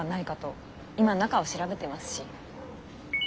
今中を調べてますし。